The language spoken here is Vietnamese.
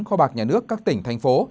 kho bạc nhà nước các tỉnh thành phố